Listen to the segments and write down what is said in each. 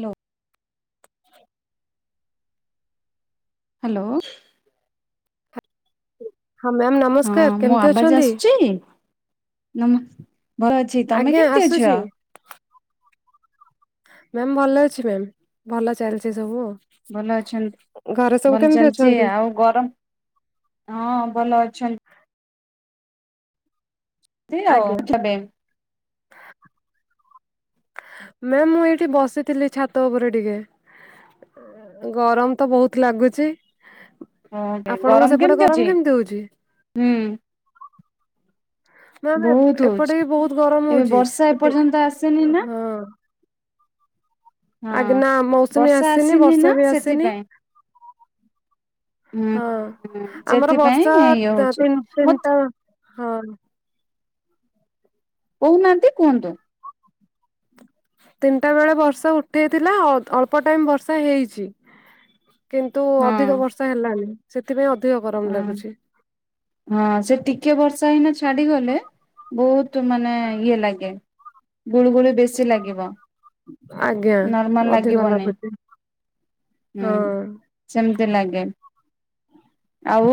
ଲୋ hello. ହଁ ma'am ନମ ହଁ ମୁଁ ଆବାଜ ଆସୁଛି, ନମ ଭଲ ଅଛି, ତମେ କେମିତି ଅଛ? ମ୍ୟାମ ଭଲ ଅଛି ମ୍ୟାମ, ଭଲ ଚାଲିଛି ସବୁ ଆଉ। ଭଲ ଅଛନ୍ତି, ଘରେ ସବୁ ଭଲ କେମିତି ଚାଲିଛି, ଅଛନ୍ତି? ଆଉ ଗରମ, ହଁ ଭଲ ଅଛନ୍ତି। ସେ ଆଜ୍ଞା ଅଛ। [unintelligible] ମ୍ୟାମ୍ ମୁଁ ଏଇଠି ବସିଥିଲି ଛାତ ଉପରେ ଟିକେ। ଗରମ ତ ବହୁତ ଲାଗୁଚି। ଓକେ ଆପଣଙ୍କ ଗରମ ସେପଟେ ଅଛି ଗରମ କେମିତି ହଉଛି? ହୁଁ ମାମ, ବହୁତ ହଉଛି ଏପଟେ ବି ବହୁତ ଗରମ ଏବେ ହଉଛି, ବର୍ଷା ଏପର୍ଯ୍ୟନ୍ତ ଆସିନି ନା ହଁ। ହଁ ଆଜ୍ଞା ନା, ମୌସୁମୀ ବର୍ଷା ଆସିନି ନା ବର୍ଷା ବି ଆସିନି। ସେଥିପାଇଁ ହୁଁ ହଁ, ହୁଁ ଆମର ସେଥିପାଇଁ ଇଏ ହଉଛି ବର୍ଷାତିନି ମତେ ତିନିଟା ହଁ। କହୁନାହାନ୍ତି କୁହନ୍ତୁ? ତିନିଟା ବେଳେ ବର୍ଷା ଉଠେଇଥିଲା, ଅଳ୍ପ ଟାଇମ ବର୍ଷା ହେଇଛି। କିନ୍ତୁ ହଁ ଅଧିକ ବର୍ଷା ହେଲାନି, ସେଥିପାଇଁ ଅଧିକ ଗରମ ଲାଗୁଛି। ହଁ, ସେ ଟିକେ ବର୍ଷା ହେଇକିନା ଛାଡିଗଲେ ବହୁତ ମାନେ ଇଏ ଲାଗେ, ଗୁଳୁଗୁଳି ବେଶୀ ଲାଗିବ, ଆଜ୍ଞା ନର୍ମାଲ ଅଧିକ ଲାଗିବନି। ଲାଗୁଛି ହୁଁ ହଁ ଅଁ। ସେମିତି ଲାଗେ। ଆଉ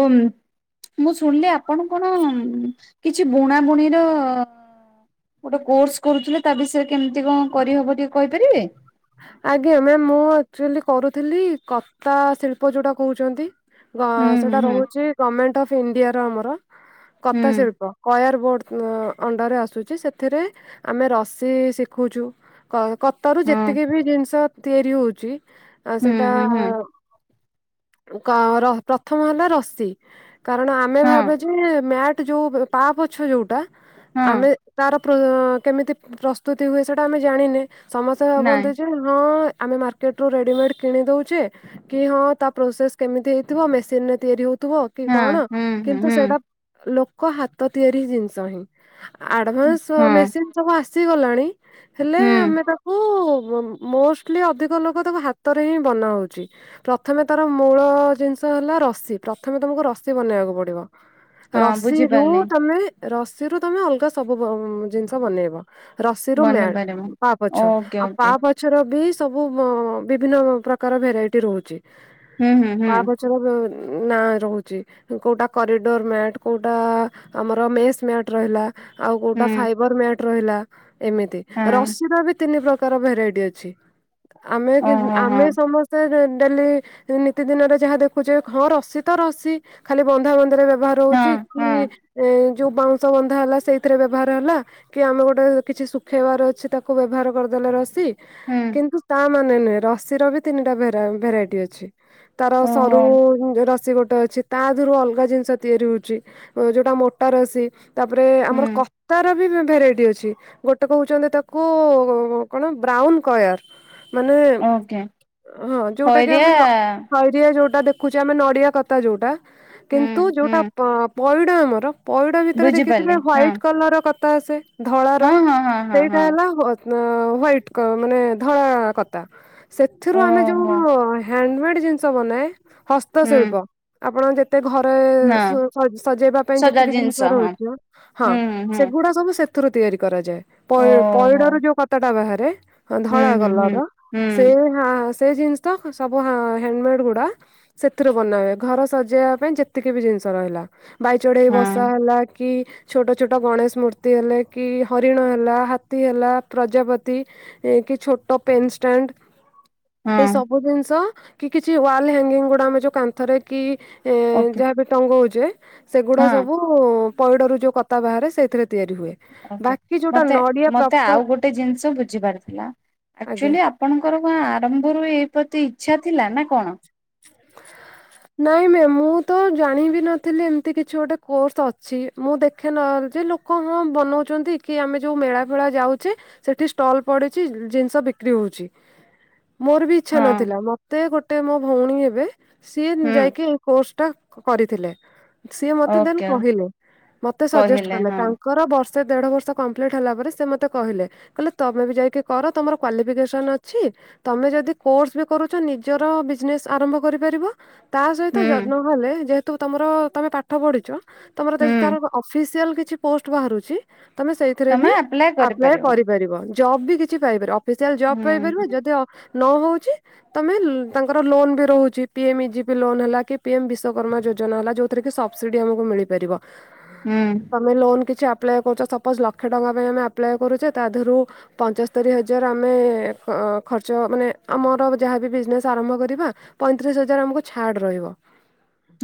ମୁଁ ଶୁଣିଲି ଆପଣ କଣ କିଛି ବୁଣା ବୁଣିର ଗୋଟେ କୋର୍ସ କରୁଥିଲେ, ତା ବିଷୟରେ କେମିତି କଣ କରିହବ, ଟିକେ କହିପାରିବେ? ଆଜ୍ଞା ମ୍ୟାମ୍, ମୁଁ ଆକଚୁଆଲି କରୁଥିଲି କତା ଶିଳ୍ପ ଯଉଟା କହୁଛନ୍ତି? ହୁଁ ସେଟା ହୁଁ ରହୁଛି ଗମେଣ୍ଟ ଅଫ୍ ଇଣ୍ଡିଆର ଆମର। ହୁଁ କତା ଶିଳ୍ପ, କୟାର ବୋର୍ଡ। ଅଣ୍ଡାରେ ଆସୁଛି, ସେଥିରେ ଆମେ ରଶି ଶିଖଉଛୁ କ କତର ହୁଁ ଏତିକି ବି ଜିନିଷ ତିଆରି ହଉଛି, ଆଉ ହଁ ସେଟା ହୁଁ ହୁଁ ହୁଁ କର ପ୍ରଥମ ହେଲା ରସି, କାରଣ ଆମେ ହଁ ଭାବେ ମ୍ୟାଟ ଯୋଉ ପା ପୋଛ ଯୋଉଟା, ହଁ ଆମେ ତାର କେମିତି ପ୍ରସ୍ତୁତି ହୁଏ ସେଇଟା ଆମେ ଜାଣିନେ, ସମସ୍ତ ନାଇଁ ଭାବନ୍ତି ଯେ ହଁ ଆମେ ମାର୍କେ ମାର୍କେଟରୁ ରେଡ଼ିମେଡି କିଣି ଦେଉଛେ, କି ହଁ ତା ପ୍ରୋସେସ୍ କେମିତି ହେଇଥିବ, ମେସିନରେ ତିଆରି ହଉଥିବ। କି ହଁ କଣ? ହୁଁ ହୁଁ କିନ୍ତୁ ସେଇଟା ହୁଁ ଲୋକ ହାତ ତିଆରି ଜିନିଷ ହିଁ ଆଡଭାନ୍ସ ହଁ ମେସିନ୍ ସବୁ ଆସିଗଲାଣି ହେଲେ ହୁଁ ଆମେ ତ ଓହୋ ମୋଷ୍ଟଲି ଅଧିକ ଲୋକ ତାକୁ ହାତରେ ହିଁ ବନା ହଉଛି। ପ୍ରଥମେ ତାର ମୂଳ ଜିନିଷ ହେଲା ରସି ପ୍ରଥମେ ତମକୁ ରସି ବନେଇବାକୁ ପଡିବ। ହଁ ରସିରୁ ବୁଝିପାରିଲି ତମେ ରସିରୁ ତମେ ଅଲଗା ସବୁ ପ ଜିନିଷ ବନେଇବ। ରସିରୁ ମ୍ୟାନ ବନେଇ ପାରିବ। ପାପୋ ଓକେ ଓକେ ଗଛର ବି ସବୁ ବ ବିଭିନ୍ନ ପ୍ରକାର ଭେରାଇଟି ରହୁଛି ହୁଁ ହୁଁ ହୁଁ। [inaudible] ନାଁ ରହୁଛି। କୋଉଟା କରିଡୋର ମ୍ୟାଟ କୋଉଟା ଆମର ମେସ୍ ମ୍ୟାଟ ରହିଲା। ଆଉ କୋଉଟା ହୁଁ ଫାଇବର ମ୍ୟାଟ ରହିଲା ଏମିତି ହଁ ରସିରା ବି ତିନି ପ୍ରକାର ଭେରାଇଟି ଅଛି ଆମେ ଓହୋ ହଁ ଆମେ ସମସ୍ତେ ସେ ଡେଲି ନିତିଦିନରେ ଯାହା ଦେଖୁଛେ ହଁ ରସି ତ ରସି ଖାଲି ବନ୍ଧା ବନ୍ଧରେ ବ୍ୟବହାର ହଁ ହଉଛି କି? ହଁ ଏ ଯେଉଁ ବାଉଁଶ ବନ୍ଧା ହେଲା ସେଇଥିରେ ବ୍ୟବହାର ହେଲା? କି ଆମେ ଗୋଟେ କିଛି ଶୁଖେଇବାର ଅଛି ତାକୁ ବ୍ୟବହାର କରିଦେଲେ ରସି ହୁଁ। କିନ୍ତୁ ତା ମାନେ ନୁହେଁ ରସି ର ବି ତିନିଟା ଭେରା ଭେରାଇଟି ଅଛି। ତାର ଓହୋ ସରୁ ରସି ଗୋଟେ ଅଛି। ତା ଦେହରୁ ଅଲଗା ଜିନିଷ ତିଆରି ହଉଛି ଯେଉଟା ମୋଟାର ରସି ତାପରେ ଆମର ହୁଁ କ ତାର ବି ଭେ ଭେରାଇଟି ଅଛି ଗୋଟେ କହୁଛନ୍ତି ତାକୁ କଣ ବ୍ରାଉନ କୟାର। ମାନେ ଓକେ ହଁ ଯୋଉଟା କି ଖଇରିଆ ଆମେ [inaudible] ଯିଏ ଯୋଉଟା ଦେଖୁଛି ଆମେ ନଡିଆ କତା ଯୋଉଟା ହୁଁ କିନ୍ତୁ ଯୋଉଟା ହୁଁ ପଇଡ ଆମର ପଇଡ ଭିତରେ ବୁଝିପାରିଲି ଦେଖିଥିଲେ ହଁ ହ୍ୱାଇଟି କଲର ର କତା ଆସେ ହଁ ଧଳାର ହଁ ହଁ ହଁ ସେଇଟା ହଁ ହେଲା ହ ଉନ୍ ହ୍ୱାଇଟ କଲର୍ ମାନେ ଧଳା କତା ସେଥିରୁ ଆମେ ଯୋଉ ଓହୋ ହ୍ୟାଣ୍ଡମେଡ ଜିନିଷ ବନାଏ ହୁଁ ହସ୍ତଶିଳ୍ପ ଆପଣ ଯେ ମତେ ଘରେ ସ ହଁ ସଜେଇବା ପାଇଁ ସଜା ଯେତିକି ଜିନିଷ ହଁ ରହୁଛି ତେ ହଁ ହୁଁ ହୁଁ ହୁଁ ସେଗୁଡା ସବୁ ସେଥିରୁ ତିଆରି କରାଯାଏ ପ ଓହୋ ପଇଡ ର ଯୋଉ କତାଟା ବାହାରେ ହୁଁ ଧଳା ହୁଁ ହୁଁ କଲର ହୁଁ ସେ ହ ସେ ଜିନିଷ ତ ହ ସବୁ ହାଣ୍ଡମେଡ ଗୁଡା ସେଥିରୁ ବନା ହଏ ଘର ସଜେଇବା ପାଇଁ ଯେତିକି ବି ଜିନିଷ ରହିଲା। ବାଇଚଢେଇ ହଁ ବସା ହେଲା କି? ଛୋଟ ଛୋଟ ଗଣେଶ ମୂର୍ତ୍ତି ହେଲେ କି ହରିଣ ହେଲା ହାତୀ ହେଲା। ପ୍ରଜାପତି ଏ କି ଛୋଟ ପେନଷ୍ଟାଣ୍ଡ ଏଇ ହଁ ସବୁ ଜିନିଷ କି କିଛି ୱାଲ ହ୍ୟାଙ୍ଗିଙ୍ଗ ଗୁଡା ଆମେ ଯୋଉ କାନ୍ଥରେ କି ଏ ଓକେ ଯାହାବି ଟଙ୍ଗଉଛେ ସେଗୁଡା ହଁ ସବୁ ପଇଡରୁ ଯୋଉ କତା ବାହାରେ ସେଇଥିରେ ତିଆରି ହୁଏ। ଓକେ ବାକି ଯୋଉଟା ମତେ ନଡିଆ ମତେ ଆଉ ପ୍ରପର ଗୋଟେ ଜିନିଷ ବୁଝି ପାରଥିଲା ଆଜ୍ଞା ଅଛୁଆଲି ଆପଣଙ୍କର ଗ ଆରମ୍ଭରୁ ଏଇ ପ୍ରତି ଇଚ୍ଛା ଥିଲା ନା କଣ? ନାଇଁ ମ୍ୟାମ୍ ମୁଁ ତ ଜାଣିବି ନଥିଲି ଏମିତି କିଛି ଗୋଟେ କୋର୍ସ ଅଛି ମୁଁ ଦେଖେ ନହେ ଯେ ଲୋକ ହଁ ବନଉଛନ୍ତି କି ଆମେ ଯୋଉ ମେଳା ଫେଳା ଯାଉଛେ ସେଠି ଷ୍ଟଲ ପଡିଛି ଜିନିଷ ବିକ୍ରି ହଉଛି। ମୋର ବି ଇଚ୍ଛା ହଁ ନଥିଲା ମତେ ଗୋଟେ ମୋ ଭଉଣୀ ହେବେ ସିଏ ହୁଁ ଯାଇକି କୋର୍ସ ଟା କରିଥିଲେ ସିଏ ମତେ ଦେନ୍ ଓକେ କହିଲେ ମତେ ସଜେଷ୍ଟ କହିଲେ କଲେ ହଁ ତା ଙ୍କର ବର୍ଷେ ଦେଢ ବର୍ଷ କମ୍ପ୍ଲିଟ ହେଲା ପରେ ସେ ମୋତେ କହିଲେ କହିଲେ ତମେ ବି ଯାଇକି କର ତମର କ୍ୱାଲିଫିକେସନ ଅଛି। ତମେ ଯଦି କୋର୍ସ ବି କରୁଛ ନିଜର ବିଜନେସ୍ ଆରମ୍ଭ କରିପାରିବ ତା ସହିତ ହୁଁ ଯଦି ନ ହେଲେ ଯେହେତୁ ତମର ତମେ ପାଠ ପଢ଼ିଛ? ତମର ଯଦି ହୁଁ ତାର ଅଫିସିଆଲ କିଛି ପୋଷ୍ଟ ବାହାରୁଛି? ତମେ ସେଇଥିରେ ବି ଆପ୍ଲାଏ କରିପାରିବ ଜବ୍ ବି କିଛି ପାଇପାର ଅପ୍ ସିଆଲ ଜବ୍ ହୁଁ ପାଇପାରିବ ହୁଁ ଯଦି ଅ-ନ ହଉଚି ତମେ ତାଙ୍କ୍ ତାଙ୍କର ଲୋନ୍ ବି ରହୁଚି ପିଏମ୍ ଇଜିପି ଲୋନ୍ ହେଲା କି ପିଏମ୍ ବିଶ୍ୱକର୍ମା ଯୋଜନା ହେଲା ଯେଉଥିରେ କିି ସବସିଡ଼ି ଆମକୁ ମିଳିପାରିବ। ହୁଁ। ତମେ ଲୋନ୍ କିଛି ଆପ୍ଲାଏ କରୁଚ ସପୋଜ୍ ଲକ୍ଷେ ଟଙ୍କା ପାଇଁ ଆମେ ଆପ୍ଲାଏ କରୁଚେ ତା ଦେହରୁ ପଞ୍ଚସ୍ତରୀ ହଜାର୍ ଆମେ ଅଁ-ଖର୍ଚ୍ଚ ମାନେ ଆମର ଯାହାବି ବିଜ୍ନେସ୍ ଆରମ୍ଭ କରିବା ପଇଁତିରିଶ ହଜାର୍ ଆମକୁ ଛାଡ୍ ରହିବ।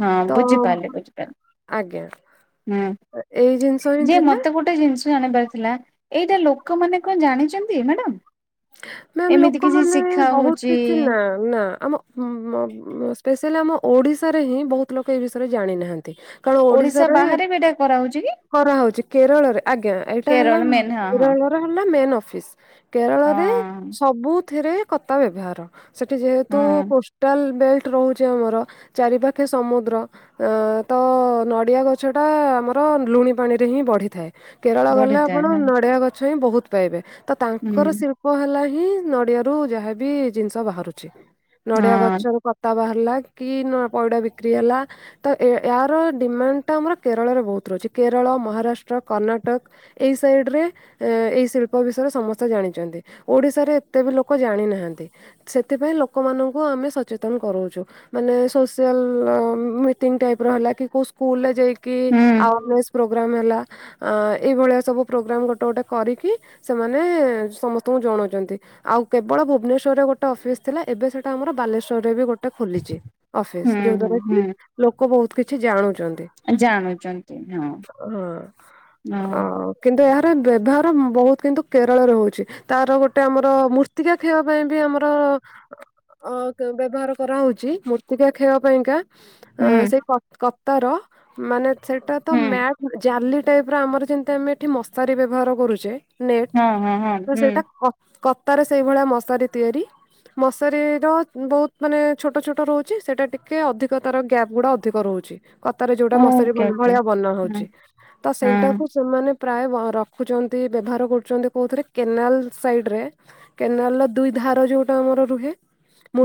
ହଁ ତ ବୁଝିପାରିଲି ଆଜ୍ଞା ବୁଝିପାରିଲି ଏଇ ଜିନିଷ ହିଁ ହୁଁ ଯେ ଥିଲା ମତେ ଗୋଟେ ଗୋଟେ ଜିନିଷ ଜାଣିବାର ଥିଲା ଏଇଟା ଲୋକମାନେ କଣ ଜାଣିଚନ୍ତି ମ୍ୟାଡାମ? ନା ଏମିତି କିଛି ଲୋକମାନେ ଶିଖା ବହୁତ୍ ହଉଛି କିଛି ନା ନା ଆମ ସ୍ପସିଆଲି ଆମ ଓଡିଶାରେ ହିଁ ବହୁତ୍ ଲୋକ ଏ ବିଷୟରେ ଜାଣିନାହାନ୍ତି। ଓଡ଼ିଶା ବାହାରେ ବି ଏଟା କରାହଉଚି କି? କରା ହଉଚି କେରଳରେ ଆଜ୍ଞା ଏଇଟା ହେଲା କେରଳ ମେନ୍ ହଁ ଉଁ ହଁ କେରଳ ହେଲା ମେନ୍ ଅଫିସ୍ କେରଳରେ ହଁ ସବୁଥିରେ କତା ବ୍ୟବହାର। ସେଠି ଯେହେତୁ ହଁ କୋଷ୍ଟାଲ ବେଲ୍ଟ୍ ରହୁଚି ଆମର ଚାରି ପାଖେ ସମୁଦ୍ର ଅଁ- ତ ନଡ଼ିଆ ଗଛଟା ଆମର ଲୁଣି ପାଣିରେ ହିଁ ବଢ଼ିଥାଏ। କେରଳ ଗଲେ ବଢିଥାଏ ଆପଣ ହଁ ନଡିଆ ଗଛ ହିଁ ବହୁତ୍ ପାଇବେ ତ ତାଙ୍କର ହୁଁ ଶିଳ୍ପ ଶିଳ୍ପ ହେଲା ହିଁ ନଡିଆରୁ ଯାହାବି ଜିନିଷ ବାହାରୁଚି ନଡିଆ ହଁ ଗଛରୁ ପ୍ର ତା ବାହାରିଲା କି ନୂଆ ପଇଡ ବିକ୍ରି ହେଲା ତ ଏ-ଏହାର ଡିମାଣ୍ଡ୍ ଟା ଆମର କେରଳରେ ବହୁତ୍ ରହୁଚି କେରଳ, ମହାରାଷ୍ଟ୍ର, କର୍ଣ୍ଣାଟକ୍ ଏଇ ସାଇଡ୍ ରେ ଏଇ ଶିଳ୍ପ ବିଷୟରେ ସମସ୍ତେ ଜାଣିଚନ୍ତି। ଓଡିଶାରେ ଏତେ ବି ଲୋକ ଜାଣିନାହାନ୍ତି ସେଥିପାଇଁ ଲୋକମାନଙ୍କୁ ଆମେ ସଚେତନ କରଉଚୁ। ମାନେ ସୋସିଆଲ୍ ମିଟିଙ୍ଗ୍ ଟାଇପ୍ ର ହେଲା କି କଉ ସ୍କୁଲରେ ଯାଇକି କି ହୁଁ ଆଉ ଆମେ ସ୍-ପ୍ରୋଗ୍ରା ପୋଗ୍ରାମ୍ ହେଲା ଆଁ -ଏଇଭଳିଆ ସବୁ ପ୍ରୋଗ୍ରାମ୍ ଗୋଟେ ଗୋଟେ କରିକି ସେମାନେ ସମସ୍ତେ ତୁ ଜଣଉଚନ୍ତି। ଆଉ କେବଳ ଭୁବନେଶ୍ୱରରେ ଗୋଟେ ଅଫିସ୍ ଥିଲା ଏବେ ସେଟା ଆମର ବାଲେଶ୍ୱରରେ ବି ଗୋଟେ ଖୋଲିଚି। ଅଫିସ୍ ହୁଁ ଯଉ ହୁଁ ଦ୍ଵାରା କି ଲୋକ ବହୁତ୍ କିଛି ଜାଣୁଚନ୍ତି। ଜାଣୁଚନ୍ ହଁ- ହଁ ଆଉ କିନ୍ତୁ ଏହାର ବ୍ୟବହାର ମ୍-ବହୁତ୍ କିନ୍ତୁ କେରଳରେ ହଉଚି। ତାର ଗୋଟେ ଆମର ମୂର୍ତ୍ତିକା କ୍ଷୟ ପାଇଁ ବି ଆମର ଅ- ବ୍ୟବହାର କରାହଉଚି ମୂର୍ତ୍ତିକା କ୍ଷୟ ପାଇଁ କା ଆଁ ହୁଁ -ସେ କତ୍- କତାର ମାନେ ସେଟା ତ ହୁଁ ମ୍ୟା ଜାଲି ଟାଇପ୍ ର ଆମର ଯେମିତି ଆମେ ଏଠି ମଶାରୀ ବ୍ୟବହାର କରୁଚେ ନେଟ୍ ହଁ- ହଁ-ହଁ। ତ ସେଟା କ-କତାରେ ସେଇ ଭଳିଆ ମଶାରୀ ତିଆରି ମଶାରୀ ଯଉ ବହୁତ୍ ମାନେ ଛୋଟ ଛୋଟ ରହୁଚି ସେଟା ଟିକେ ଅଧିକ ତାର ଗ୍ୟାପ୍ ଗୁଡ଼ା ଅଧିକ ରହୁଚି। କତା ରେ ଯଉଟା ମଶାରୀ ଓକେ ଓକେ ଭ-ଭଳିଆ ବନା ହଁ ହଉଚି ତ ହଁ ସେଇଟାକୁ ସେମାନେ ପ୍ରାୟ ବ-ରଖୁଚନ୍ତି ବ୍ୟବହାର କରୁଚନ୍ତି କଉଥିରେ। କେନାଲ୍ ସାଇଡ୍ ରେ କେନାଲ୍ ର ଦୁଇ ଧାର ଯଉଟା ଆମର ରୁହେ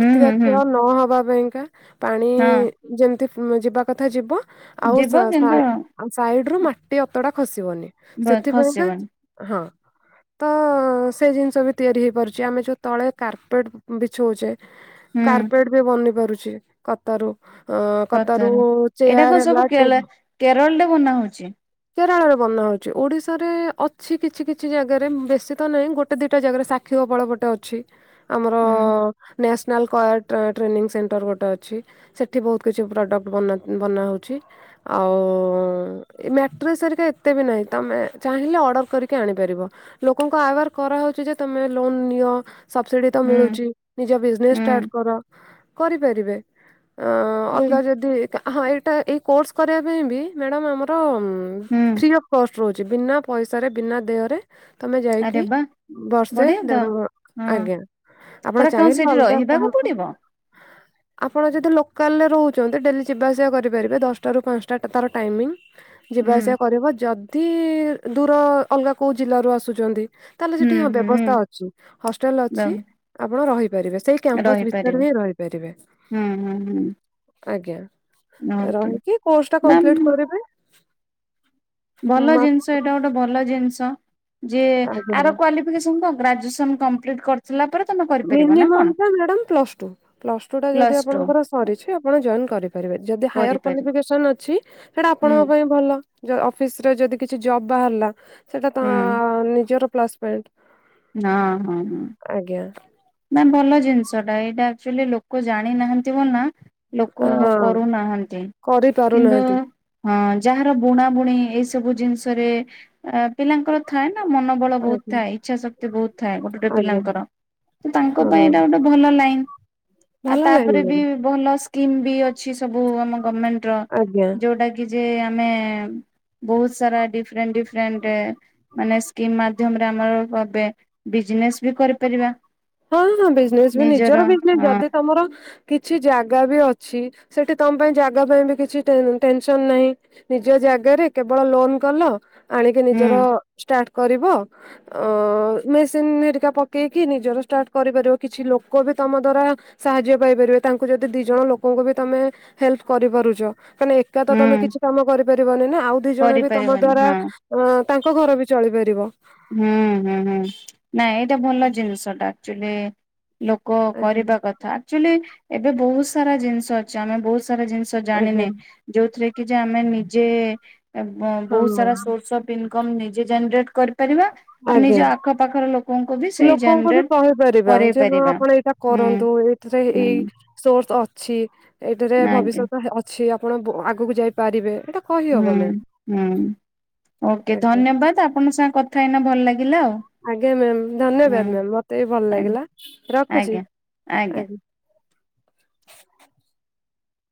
ହୁଁ ହୁଁ ହୁଁ କ୍ଷୟ ନହବା ପାଇଁ କା ପାଣି ହଁ ଯେମିତି ଉଁ- ଯିବା କଥା ଯିବ ଆଉ ଯିବ ସା- କିନ୍ତୁ ସାଇ- ଆଉ ସାଇଡ୍ ରୁ ମାଟି ଅତଡା ଖସିବନି ବ ସେଥିପାଇଁକା ଖସିବନି ହଁ। ତ ସେ ଜିନିଷ ବି ତିଆରି ହେଇ ପାରୁଚି ଆମେ ଯଉ ତଳେ କାର୍ପେଟ୍ ବିଛଉଚେ ହୁଁ କାର୍ପେଟ୍ ବି ବନି ପାରୁଚି କତାରୁ। ଅ- କତାରୁ ପଥର। ଏଇଟା ଚେୟାର୍ କଣ ସବୁ ହେଲା, କେରଳ ଟେବୁ କେରଳରେ ବନା ହଉଛି କେରଳରେ ବନା ହଉଚି ଓଡିଶାରେ ଅଛି କିଛି କିଛି ଜାଗ୍ ଜାଗାରେ ବେଶୀ ତ ନାହିଁ ଗୋଟେ ଦିଟା ଜାଗାରେ ସାକ୍ଷୀ ଗୋପାଳ ଗୋଟେ ଅଛି ଆମର ହୁଁ। ନେସନାଲ କଏଟ ଟ୍ରେନିଂ ସେଣ୍ଟର ଗୋଟେ ଅଛି। ସେଠି ବହୁତ କିଛି ପ୍ରଡ଼କ୍ଟ ବନା ବନାହଉଚି। ଆଉ ଏ ମାଟ୍ରେସ ଏରିକା ଏତେ ବି ନାହିଁ ତମେ ଚାହିଁଲେ ଅର୍ଡ଼ର କରିକି ଆଣିପାରିବ। ଲୋକଙ୍କୁ ଆୱାର କରାହଉଚି ଯେ ତମେ ଲୋନ ନିଅ ସବସିଡି ତ ହୁଁ ମିଳୁଛି ନିଜ ବିଜନେସ୍ ଷ୍ଟାର୍ଟ ହୁଁ। କର କରିପାରିବେ। ଅ ଅଲଗା ଜଦି କା ହଁ ଏଇଟା ଏଇ କୋର୍ସ କରିବା ପାଇଁ ବି ମ୍ୟାଡ଼ାମ୍ ଆମର ହୁଁ ଫ୍ରି ଅଫ୍ କଷ୍ଟ ରହୁଚି ବିନା ପଇସାରେ ବିନା ଦେଅ ରେ ଆରେ ବାଃ ବଢିଆତ ଦେଢ ବ- ହଁ। ଆଜ୍ଞା ଆପଣ ପୁରା କଣ ଚାହିଁଲେ ସେଇଠି ଅଲଗା ରହିବାକୁ କାହାକୁ ପଡିବ? ଆପଣ ଯଦି ଲୋକାଲରେ ରହୁଚନ୍ତି ଡେଲି ଯିବାଆସିବା କରିପାରିବେ ଦଶଟାରୁ ପାଞ୍ଚଟା ତାର ଟାଇମିଂ ଯିବା ହୁଁ ଆସିବା କରିବ ଯଦି ଦୂର ଅଲଗା କୋଉ ଜିଲ୍ଲା ରୁ ଆସୁଛନ୍ତି ତାହେଲେ ହୁଁ ସେଠି ହୁଁ ହୁଁ। ବ୍ୟବସ୍ଥା ଅଛି ହଷ୍ଟେଲ ର ଅଛି ଆପଣ ରହିପାରିବେ। ସେଇ କ୍ୟାମ୍ପସ ଭିତରେ ରହିପାରିବି ହିଁ ରହିପାରିବେ। ହୁଁ ହୁଁ ହୁଁ ଆଜ୍ଞା ଓକେ ରହିକି କୋର୍ସ ଟା ନା କପ୍ଲିଟ କରିବେ। ଭଲ ମା- ଜିନିଷ ଏଇଟା ଗୋଟେ ଭଲ ଜିନିଷ। ଯିଏ ଆର ଆଜ୍ଞା କ୍ଵାଲି [unintelligible] ଗ୍ରାଜୁଏସନ କପ୍ଲିଟ କରି ସଲା ପରେ ତମ ମିନିମମ୍ ଟା madam plus two? Plus two ଟା ଯଦି ଆପଣଙ୍କର ସରିଚି ଆପଣ ଜଏନ କରିପାରିବେ ଯଦି ହାଇଅର କରିପାରିବ କ୍ୱାଲିଫିକେସନ ଅଛି ହେଇଟା ହୁଁ ଆପଣଙ୍କ ପାଇଁ ଭଲ। ଅଫିସରେ ଯଦି କିଛି ଜବ୍ ବାହାରିଲା ସେଇଟା ତ ହୁଁ। ନିଜର ପ୍ଲସ୍ ପଏଣ୍ଟ। ହଁ ହଁ ହଁ। ଆଜ୍ଞା। ନା ଭଲ ଜିନିଷ ଟା ଏଇଟା ଆଚୁଲି ଲୋକ ଜାଣିନାହାନ୍ତି ବୋଲି ନା ଲୋ କ ହଁ କରୁନାହାନ୍ତି। କିନ୍ତୁ କରିପାରୁନାହାନ୍ତି ହଁ, ଯାହାର ବୁଣା ବୁଣି ଏଇ ସବୁ ଜିନିଷରେ ଅ ପିଲାଙ୍କର ଥାଏ ନା ମନ ବଳ ବହୁ ଆଜ୍ଞା ଥାଏ ଇଚ୍ଛା ଶକ୍ତି ବହୁତ ଥାଏ ଗୋଟେ ଗୋଟେ ଆଜ୍ଞା ପିଲଙ୍କର। ତ ତାଙ୍କ ପାଇଁ ହଁ ଏଇଟା ଗୋଟେ ଭଲ ଲାଇନ। ଆଉ ଭଲ ଲାଇନ ତାପରେ ବି ମ୍ୟାମ୍ ଭଲ ସ୍କିମ ବି ଅଛି ସବୁ ଆମ ଗମେଣ୍ଟ ର ଆଜ୍ଞା। ଯୋଉଟା କି ଯେ ଆମେ ବହୁତ ସାରା ଡିଫରେଣ୍ଟ ଡିଫରେଣ୍ଟ ମାନେ ସ୍କିମ ମାଧ୍ୟମରେ ଆମର [unintelligible] ବିଜନେସ ବି କରିପାରିବା। ହଁ ହଁ ବିଜନେସ ବି ନିଜର ବିଜନେସ ଯଦି ତମର କିଛି ଜାଗା ବି ଅଛି ସେଠି ତମ ପାଇଁ ଜାଗା ପାଇଁ ବି କିଛି ଟେନ ଟେନସନ ନାହିଁ। ନିଜ ଜାଗାରେ କେବଳ ଲୋନ କଲ ଆଣିକି ହୁଁ ନିଜର ଷ୍ଟାର୍ଟ କରିବ ମେସିନ୍ ହେରିକା ପକେଇକି ନିଜର ଷ୍ଟାର୍ଟ କରିପାରିବ କିଛି ଲୋକ ବି ତମ ଦ୍ଵାରା ସାହାଯ୍ୟ ପାଇପାରିବେ ତାଙ୍କୁ ଯଦି ଦି ଜଣ ଲୋକଙ୍କୁ ବି ତମେ ହେଲ୍ପ କରିପାରୁଚ ତାନେ ଏକା ତ ତମେ ହୁଁ କିଛି କାମ କରିପାରିବନି ନା। ଆଉ ଦି ଜଣ ବି ତମ କରିପାରିବନି ଦ୍ଵାରା ହଁ ଅ ତାଙ୍କ ଘର ବି ଚଳିପାରିବ। ହୁଁ ହୁଁ ହୁଁ ନାଇଁ ଏଇଟା ଭଲ ଜିନିଷଟା ଆଚୁଆଲି। ଲୋକ ଆଜ୍ଞା କରିବା କଥା। ଆକ୍ଚୁଆଲି ଏବେ ବହୁତ ସାରା ଜିନିଷ ଅଛି ଆମେ ବହୁତ ସାରା ଜିନିଷ ଆଜ୍ଞା ଜାଣିନେ। ଯୋଉଥିରେ କି ଯେ ଆମେ ନିଜେ ହଁ ବହୁତ ସାରା ସୋର୍ସ ଅ ଇନକମ୍ ନିଜେ ଜେନରେଟ୍ କରି ପରିବା, ଆଉ ଆଜ୍ଞା। ନିଜ ଆଖପାଖର ଲୋକଙ୍କୁ ବି ସେଇ ଲୋକଙ୍କୁ ବି ଜେନେରେଟ କହିପାରିବା କରେଇ ଯେ ହଁ ପାରିବା। ଆପଣ ଏଇଟା ହୁଁ କରନ୍ତୁ ଏଥିରେ ଏଇ ହୁଁ ସୋର୍ସ ଅ ଛି ଏଇଠାରେ ଆଜ୍ଞା ଭବିଷ୍ୟତ ଅଛି ଆପଣ ଆଗକୁ ଯାଇପାରିବେ। ଏଇଟା କହି ହୁଁ ହୁଁ ଓକେ ଆଜ୍ଞା ଧନ୍ୟବାଦ ଆପଣଙ୍କ ସାଙ୍ଗେ କଥା ହେଇନା ଭଲ ଲାଗିଲା ଆଉ। ଆଜ୍ଞା ମ୍ୟାମ୍ ହୁଁ। ଧନ୍ୟବାଦ ମ୍ୟାମ୍ ମତେ ବି ଭଲ ଆଜ୍ଞା ଲାଗିଲା ରଖୁଚି ଆଜ୍ଞା ଆଜ୍ଞା।